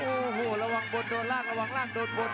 โอ้โหระวังบนโดนล่างระวังล่างโดนบน